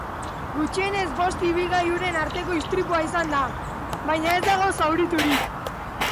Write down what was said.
Gutxienez bost ibilgailuren arteko istripua izan da, baina ez dago zauriturik.